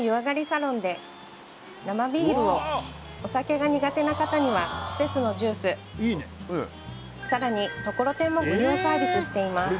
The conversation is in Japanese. サロンで生ビールをお酒が苦手な方には季節のジュースさらにところてんも無料サービスしています